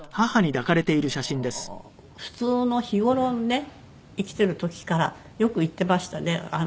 あの普通の日頃ね生きてる時からよく言ってましたね。